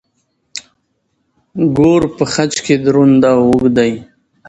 ګور په خج کې دروند او اوږد دی.